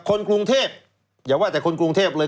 คนกรุงเทพอย่าว่าแต่คนกรุงเทพเลย